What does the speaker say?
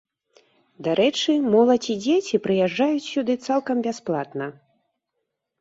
Дарэчы, моладзь і дзеці прыязджаюць сюды цалкам бясплатна.